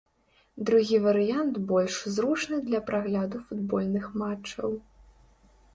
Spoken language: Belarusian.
Другі варыянт больш зручны для прагляду футбольных матчаў.